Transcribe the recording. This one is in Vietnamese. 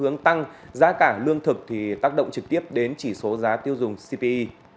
hướng tăng giá cả lương thực thì tác động trực tiếp đến chỉ số giá tiêu dùng cpi